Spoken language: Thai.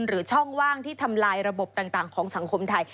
ช่องว่างที่ทำลายระบบต่างของสังคมไทย